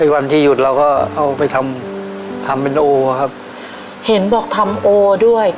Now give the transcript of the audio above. วันที่หยุดเราก็เอาไปทำทำเป็นโอครับเห็นบอกทำโอด้วย